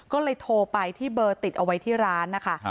ก็เลยโทรไปที่เบอร์ติดเอาไว้ที่ร้านนะคะ